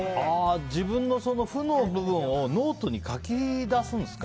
自分の負の部分をノートに書き出すんですか。